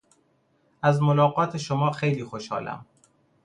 از ملاقات شما خیلی خوشحالم.